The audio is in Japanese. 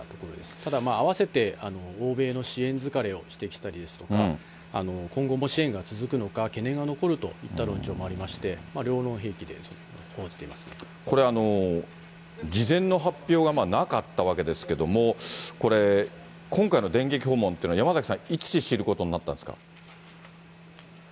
ただ、あわせて欧米の支援疲れを指摘したりですとか、今後も支援が続くのか懸念が残るといった論調もありまして、両論これ、事前の発表がなかったわけですけれども、これ、今回の電撃訪問というのは山崎さん、いつ知ることになったんですか。